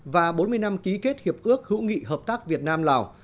và bốn mươi năm ký kết hiệp ước hữu nghị hợp tác việt nam lào